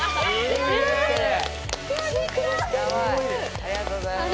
ありがとうございます。